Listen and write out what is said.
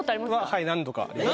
はい何度かあります